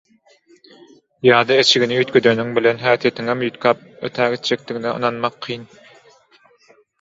Ýa-da eşigini üýtgedeniň bilen häsiýetiniňem üýtgäp ötägitjekdigine ynanmak kyn.